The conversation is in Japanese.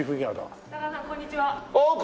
ああこんにちは。